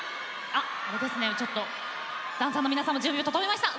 あちょっとダンサーの皆さんも準備整いました。